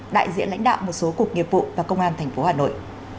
đại diện lãnh đạo một số cuộc nghiệp vụ và công an tp hà nội